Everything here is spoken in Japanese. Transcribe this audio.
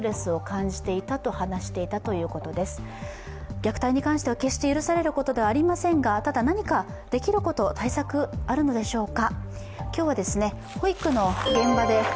虐待に関しては決して許されることではありませんがただ何かできること、対策はあるのでしょうか。